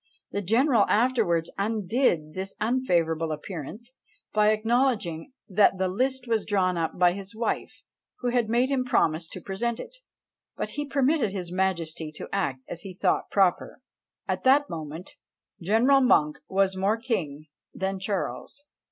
The general afterwards undid this unfavourable appearance, by acknowledging that the list was drawn up by his wife, who had made him promise to present it; but he permitted his majesty to act as he thought proper. At that moment General Monk was more king than Charles.